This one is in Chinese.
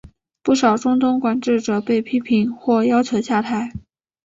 不少中东管治者被批评或要求下台。